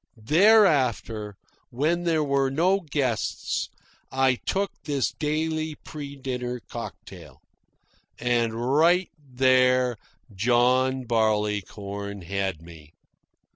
Thereafter, when there were no guests, I took this daily pre dinner cocktail. And right there John Barleycorn had me.